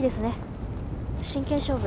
真剣勝負。